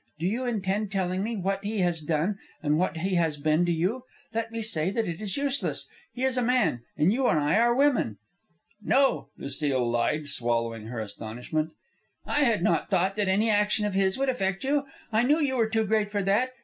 Do you intend telling me what he has done, what he has been to you. Let me say that it is useless. He is a man, as you and I are women." "No," Lucile lied, swallowing her astonishment. "I had not thought that any action of his would affect you. I knew you were too great for that.